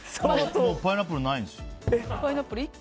パイナップルないんですよ。